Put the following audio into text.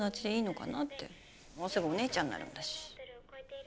もうすぐお姉ちゃんになるんだし。